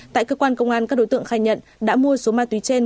tại cơ quan công an các đối tượng khai nhận đã mua số ma túy trên